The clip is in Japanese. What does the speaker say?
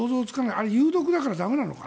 あれは有毒だから駄目なのかな？